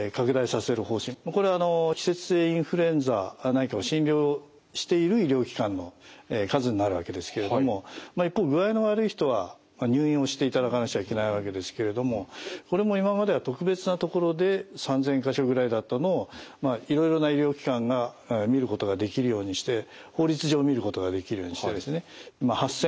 これは季節性インフルエンザなんかを診療している医療機関の数になるわけですけれども一方具合の悪い人は入院をしていただかなくちゃいけないわけですけれどもこれも今までは特別な所で３，０００か所ぐらいだったのをまあいろいろな医療機関が診ることができるようにして法律上診ることができるようにしてですね８，０００